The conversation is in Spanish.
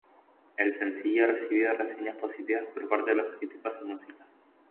El sencillo ha recibido reseñas positivas por parte de los críticos de música.